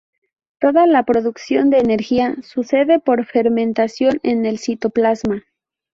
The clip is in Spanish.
Toda la producción de energía sucede por fermentación en el citoplasma.